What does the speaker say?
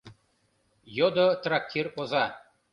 — йодо трактир оза.